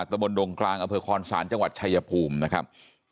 ตะบนดงกลางอำเภอคอนศาลจังหวัดชายภูมินะครับ